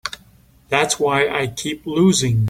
That's why I keep losing.